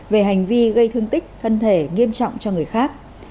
về hành vi gây thương tích thân thể nghiêm trọng cho người khác